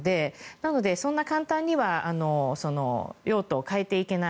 なのでそんな簡単には用途を変えていけない。